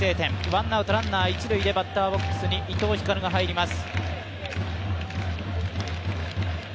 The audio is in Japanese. ワンアウト、ランナーは一塁でバッターボックスに伊藤光が入ります。